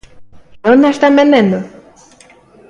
¿E onde a están vendendo?